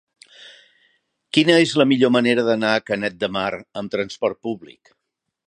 Quina és la millor manera d'anar a Canet de Mar amb trasport públic?